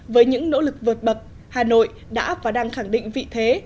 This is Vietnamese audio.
với những nỗ lực vượt bậc hà nội đã và đang khẳng định vị thế